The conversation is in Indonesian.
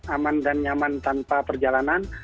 aman dan nyaman tanpa perjalanan